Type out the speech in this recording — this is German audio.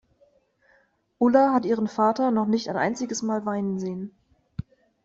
Ulla hat ihren Vater noch nicht ein einziges Mal weinen sehen.